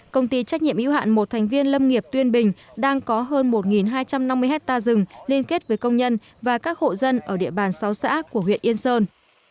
công ty trách nhiệm yếu hạn một thành viên lâm nghiệp tuyên bình đang có hơn một hai trăm năm mươi hectare rừng liên kết với công nhân và các hộ dân ở địa bàn sáu xã của huyện yên sơn